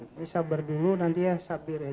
ini sabar dulu nanti ya sabir ya